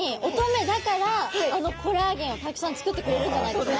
乙女だからコラーゲンをたくさん作ってくれるんじゃないですか。